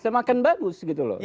semakin bagus gitu loh